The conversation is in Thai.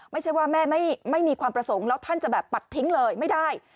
ไม่ใช่ว่าแม่ไม่มีความประสงค์แล้วท่านจะแบบปัดทิ้งเลยไม่ได้